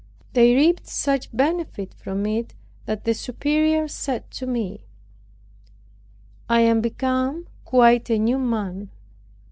They reaped such benefit from it, that the superior said to me, "I am become quite a new man.